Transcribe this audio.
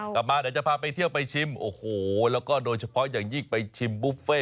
กลับมาเดี๋ยวจะพาไปเที่ยวไปชิมโอ้โหแล้วก็โดยเฉพาะอย่างยิ่งไปชิมบุฟเฟ่